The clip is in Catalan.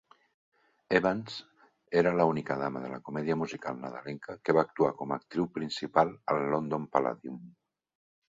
Evans era la única dama de la comèdia musical nadalenca que va actuar com a actriu principal al London Palladium.